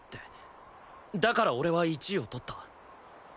だから俺は１位を取った。